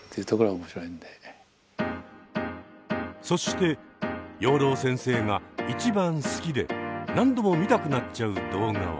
そして養老先生が一番好きで何度も見たくなっちゃう動画は？